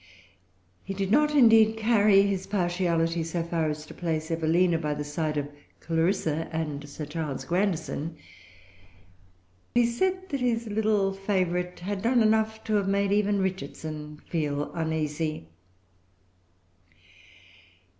He did not, indeed, carry his partiality so far as to place Evelina by the side of Clarissa and Sir Charles Grandison; yet he said that his little favorite had done enough to have made even Richardson feel uneasy.